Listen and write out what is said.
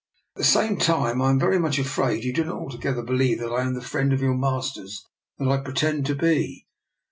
" At the same time I am very much afraid you do not altogether believe that I am the friend of your master's that I pretend to be."